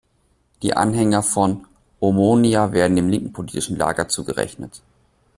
Die Anhänger von Omonia werden dem linken politischen Lager zugerechnet.